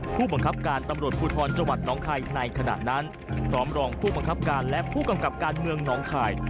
ผู้บังคับการตำรวจภูทรจังหวัดน้องคายในขณะนั้นพร้อมรองผู้บังคับการและผู้กำกับการเมืองน้องคาย